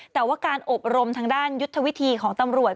แต่ว่าการอบรมทางด้านยุทธวิธีของตำรวจ